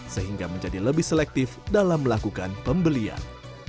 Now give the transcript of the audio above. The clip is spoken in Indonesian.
sehingga menjadi lebih selektif dalam melakukan pembelian